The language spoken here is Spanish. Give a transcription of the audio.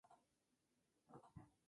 Un color ligero y transparente.